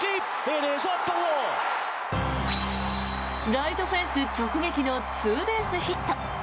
ライトフェンス直撃のツーベースヒット。